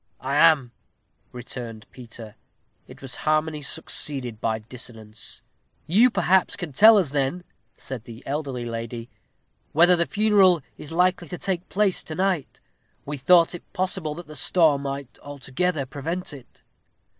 "I am," returned Peter. It was harmony succeeded by dissonance. "You, perhaps, can tell us, then," said the elderly lady, "whether the funeral is likely to take place to night? We thought it possible that the storm might altogether prevent it."